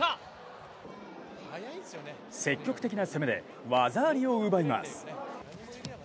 積極的な攻めで技ありを奪います。